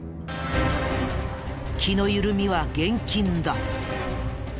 気の緩みは厳禁だ。